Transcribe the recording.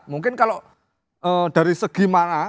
mungkin kalau dari segi mana